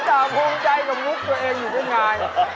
จะภูมิใจแบบดูกตัวเองอยู่กับงาน